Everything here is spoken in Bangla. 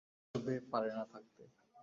কী করবে, পারে না থাকতে।